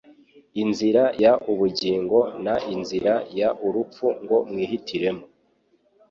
inzira y ubugingo n inzira y urupfu ngo mwihitiremo